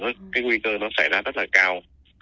à cái nguy cơ nó sẽ ra rất là cao